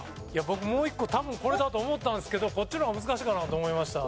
僕もう一個多分これだと思ったんですけどこっちの方が難しいかなと思いました。